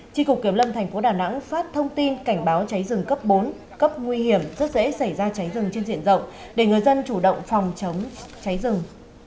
tri cục kiểm lâm thành phố đà nẵng phát thông tin cảnh báo cháy rừng cấp bốn cấp nguy hiểm rất dễ xảy ra cháy rừng trên diện rộng để người dân chủ động phòng chống cháy rừng